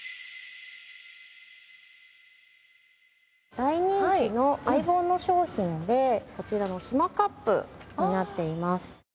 大人気の『相棒』の商品でこちらのひまかップになっています。